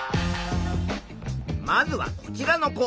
まずはこちらの子。